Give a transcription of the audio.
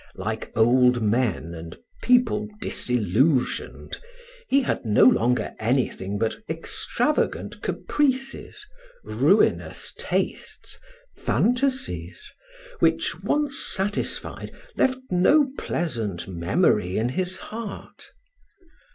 Like old men and people disillusioned, he had no longer anything but extravagant caprices, ruinous tastes, fantasies, which, once satisfied, left no pleasant memory in his heart.